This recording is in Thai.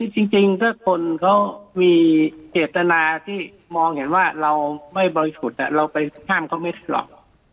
จริงถ้าคนเขามีเจตนาที่มองเห็นว่าเราไม่บริสุทธิ์เราไปห้ามเขาไม่ได้หรอก